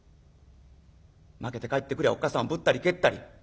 負けて帰ってくりゃおっかさんをぶったり蹴ったり。